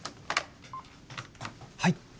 はい。